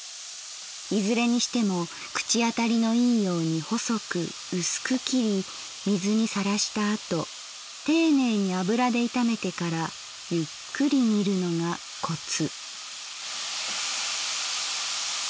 いずれにしても口あたりのいいように細くうすく切り水にさらしたあとていねいに油で炒めてからゆっくり煮るのがコツ」。